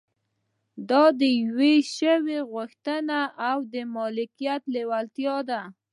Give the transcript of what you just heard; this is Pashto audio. دا د يوه شي غوښتل او د مالکيت لېوالتيا ده.